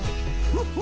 フフ。